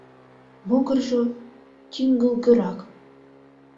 Могыржо тӱҥгылгырак.